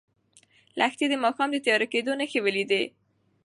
لښتې د ماښام د تیاره کېدو نښې ولیدې.